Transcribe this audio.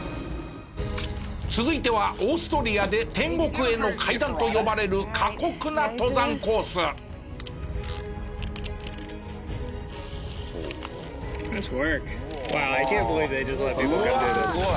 続いてはオーストリアで天国への階段と呼ばれるうわっすごい！